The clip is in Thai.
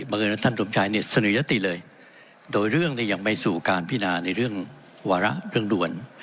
เอิญว่าท่านสมชัยเนี่ยเสนอยติเลยโดยเรื่องเนี่ยยังไม่สู่การพินาในเรื่องวาระเรื่องด่วน